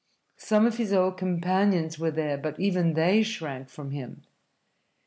Some of his old companions were there, but even they shrank from him.